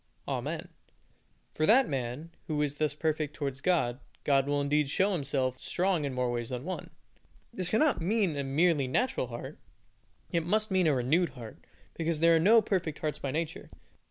Amen. For that man who is thus perfect towards God, God will indeed show Himself strong in more ways than one! This cannot mean a merely natural heart, it must mean a renewed heart, because there are no perfect hearts by nature.